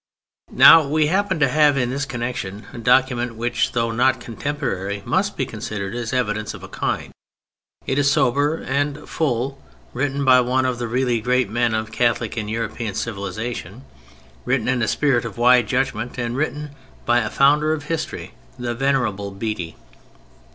Now we happen to have in this connection a document which, though not contemporary must be considered as evidence of a kind. It is sober and full, written by one of the really great men of Catholic and European civilization, written in a spirit of wide judgment and written by a founder of history, the Venerable Bede.